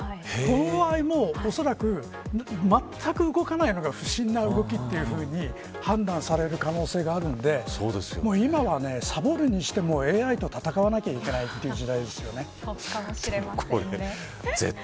この場合もおそらくまったく動かないのが不審な動きというふうに判断される可能性があるので今は、さぼるにしてもＡＩと戦わなきゃいけないそうかもしれませんね。